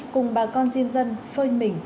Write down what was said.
cùng bà con diêm dân phơi mình